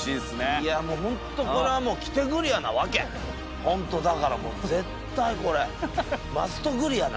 「いやホントこれはもう来てグリアなわけ」「ホントだからもう絶対これマストグリアね」